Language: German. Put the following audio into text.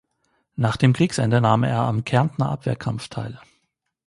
Nach dem Kriegsende nahm er am Kärntner Abwehrkampf teil.